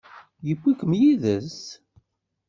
Yewwi-kem yid-s?